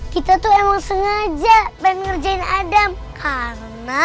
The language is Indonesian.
kita tuh emang sengaja pengen ngerjain adam karena